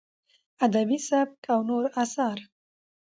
ادبي سبک او نور اثار: